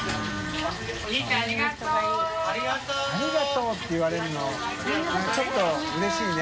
ありがとう」って言われるの燭ちょっとうれしいね。